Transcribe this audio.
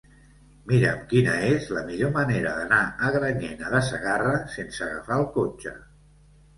Mira'm quina és la millor manera d'anar a Granyena de Segarra sense agafar el cotxe.